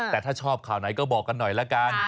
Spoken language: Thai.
แต่ถ้าชอบข่าวไหนก็บอกกันหน่อยละกัน